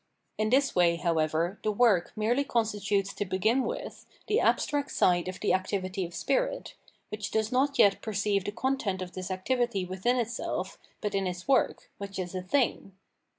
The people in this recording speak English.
In this way, however, the work merely constitutes to begin with the abstract side of the activity of spirit, which does not yet per ceive the content of this activity within itself but in its work, which is a "thing."